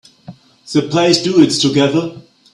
They play duets together.